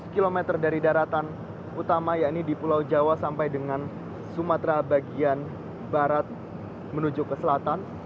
kilometer dari daratan utama yakni di pulau jawa sampai dengan sumatera bagian barat menuju ke selatan